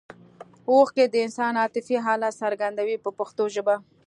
اوښکې د انسان عاطفي حالت څرګندوي په پښتو ژبه.